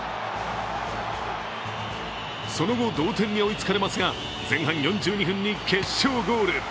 その後、同点に追いつかれますが、前半４２分に決勝ゴール。